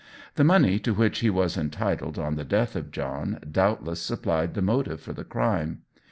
The money to which he was entitled on the death of John doubtless supplied the motive for the crime.